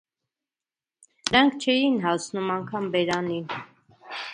Դրանք չէին հասնում անգամ բերանին։